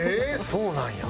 そうなんや。